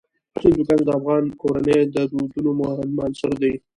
هندوکش د افغان کورنیو د دودونو مهم عنصر دی.